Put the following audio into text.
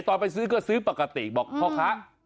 ตอนไปซื้อก็ซื้อปกติบอกพ่อค้า